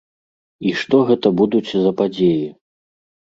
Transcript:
І што гэта будуць за падзеі?